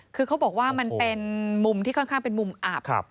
คือเขาบอกว่ามันเป็นมุมที่ค่อนข้างเป็นมุมอับ